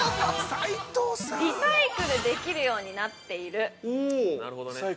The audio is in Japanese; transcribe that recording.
◆リサイクルできるようになっている。